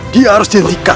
dia harus dihentikan